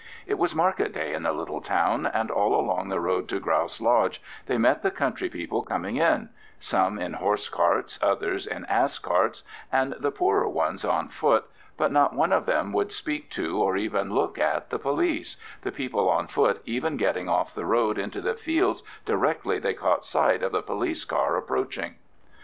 It was market day in the little town, and all along the road to Grouse Lodge they met the country people coming in—some in horse carts, others in ass carts, and the poorer ones on foot—but not one of them would speak to or even look at the police, the people on foot even getting off the road into the fields directly they caught sight of the police car approaching.